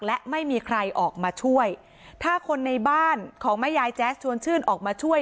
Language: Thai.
และไม่มีใครออกมาช่วยถ้าคนในบ้านของแม่ยายแจ๊สชวนชื่นออกมาช่วย